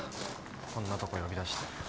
こんなとこ呼び出して。